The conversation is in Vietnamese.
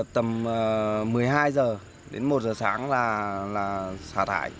tầm một mươi hai h đến một giờ sáng là xả thải